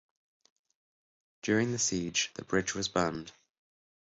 During the Siege the bridge was burned.